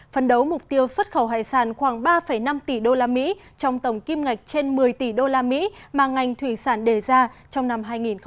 phấn đấu mục tiêu xuất khẩu hải sản khoảng ba năm tỷ usd trong tổng kim ngạch trên một mươi tỷ usd mà ngành thủy sản đề ra trong năm hai nghìn hai mươi